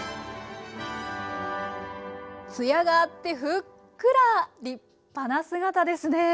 艶があってふっくら立派な姿ですね！